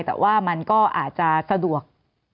แต่ว่ามันก็อาจจะสะดวก